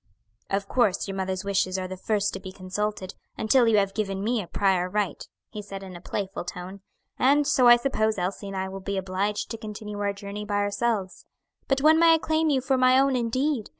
"Of course your mother's wishes are the first to be consulted, until you have given me a prior right," he said, in a playful tone; "and so I suppose Elsie and I will be obliged to continue our journey by ourselves. But when may I claim you for my own indeed?